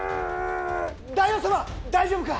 大王様大丈夫か！